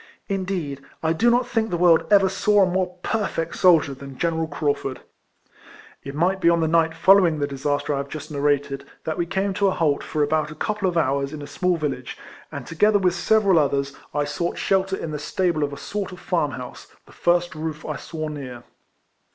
Indeed, I do not think the world ever saw a more perfect soldier than General Craufurd. It mioht be on the niojht follow ing the disaster I have just narrated, that we came to a halt for about a couple of hours in a small village, and together with several RIFLEMAN HARRIS. 189 others, I sought shelter in the stable of a sort of farm house, the first roof I saw near.